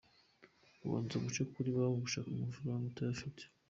Ubanza guca kuri banki gushaka amafaranga utayafite.